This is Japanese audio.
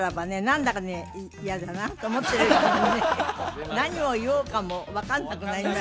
何だかね嫌だなと思ってるうちにね何を言おうかも分かんなくなりました